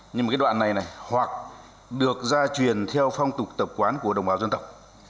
nhưng mà cái đoạn này này hoặc được gia truyền theo phong tục tập quán của đồng bào dân tộc